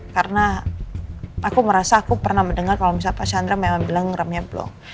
karena aku merasa aku pernah mendengar kalau misalnya pak chandra memang bilang remnya blok